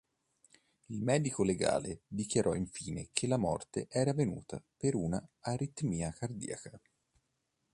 Il medico legale dichiarò infine che la morte era avvenuta per una aritmia cardiaca.